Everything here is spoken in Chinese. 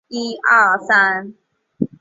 黄绿薹草为莎草科薹草属的植物。